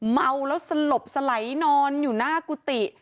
เมาแล้วสลบสไหลนอนอยู่หน้ากุฏิ